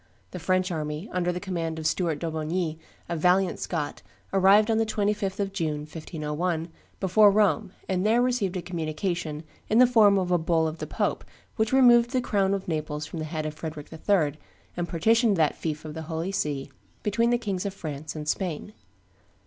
The French army, under the command of Stuart d'Aubigny, a valiant Scot, arrived on the 25th of June, 1501, before Rome, and there received a communication in the form of a bull of the pope which removed the crown of Naples from the head of Frederick III., and partitioned that fief of the Holy See between the Kings of France and Spain.